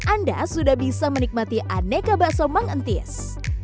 anda sudah bisa menikmati aneka bakso mang entis